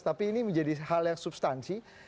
tapi ini menjadi hal yang substansi